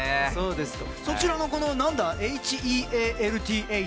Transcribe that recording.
そちらのＨＥＡＬＴＨ